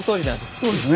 そうですね。